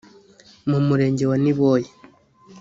mu Murenge wa Niboye